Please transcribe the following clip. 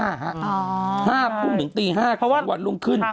อ๋อใช่๕ทุ่มถึงตี๕เพราะว่าวันลุงขึ้น